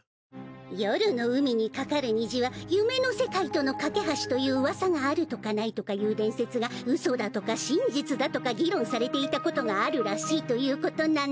夜の海にかかる虹は夢の世界との架け橋という噂があるとかないとかいう伝説が嘘だとか真実だとか議論されていたことがあるらしいということなの。